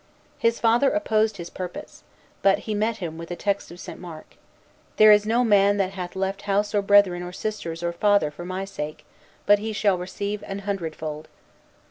His father opposed his purpose; but he met him with a text of St. Mark, "There is no man that hath left house or brethren or sisters or father for my sake, but he shall receive an hundred fold."